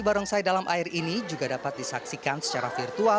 barongsai dalam air ini juga dapat disaksikan secara virtual